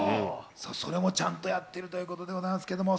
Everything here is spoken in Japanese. それもちゃんとやってるってことでございますけれども。